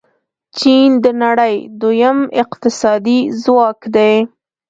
چین د نړۍ دویم اقتصادي ځواک دی.